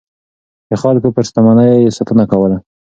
د خلکو پر شتمنيو يې ساتنه کوله.